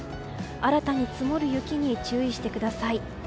新たに積もる雪に注意してください。